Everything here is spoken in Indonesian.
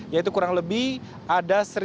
yaitu kurang lebih ada satu dua ratus lima puluh lima